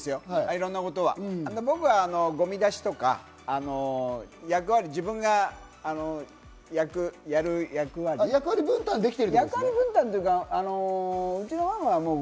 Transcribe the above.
いろんなことは、僕はゴミ出しとか、自分のやる役割、分担というか。